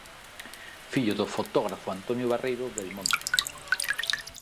Fillo do fotógrafo Antonio Barreiro Belmonte.